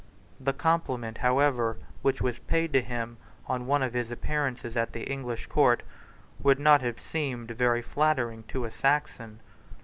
The compliment, however, which was paid to him, on one of his appearances at the English Court, would not have seemed very flattering to a Saxon.